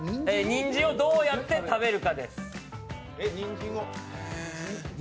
にんじんをどうやって食べるかです。